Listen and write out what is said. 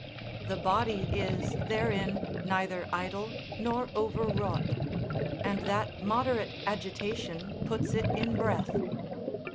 The body is, therein, neither idle nor overwrought; and that moderate agitation puts it in breath.